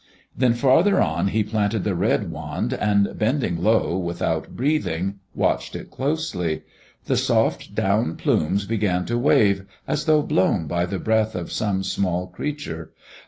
Then farther on he planted the red wand, and bending low, without breathing, watched it closely. The soft down plumes began to wave as though blown by the breath of some small creature.